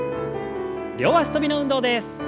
両脚跳びの運動です。